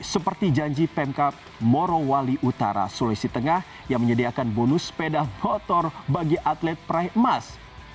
seperti janji pemkap morowali utara sulawesi tengah yang menyediakan bonus sepeda motor bagi atlet peraih emas